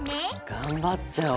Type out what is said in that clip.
頑張っちゃお！